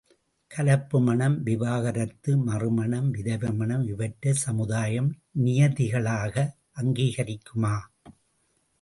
கலப்பு மணம், விவாகரத்து, மறுமணம், விதவை மணம் இவற்றைச் சமுதாயம் நியதிகளாக அங்கீகரிக்குமா?